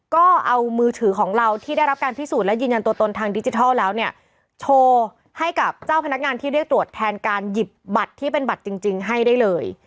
ก็เอามือถือของเราที่ได้รับการพิสูจน์และยืนยันตัวตนทางดิจิทัลแล้วเนี่ยโชว์ให้กับเจ้าพนักงานที่เรียกตรวจแทนการหยิบบัตรที่เป็นบัตรจริงให้ได้เลย